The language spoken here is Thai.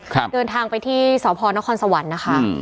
เดินทางไปที่สพนครสวรรค์นะคะอืม